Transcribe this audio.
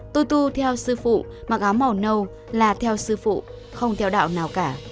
tôi tu theo sư phụ mặc áo màu nâu là theo sư phụ không theo đạo nào cả